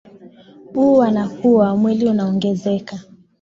u wanakua mwili unaongezeka